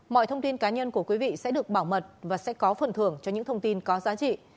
mọi thông tin cá nhân của quý vị sẽ được bảo mật và sẽ có phần thưởng cho những thông tin có giá trị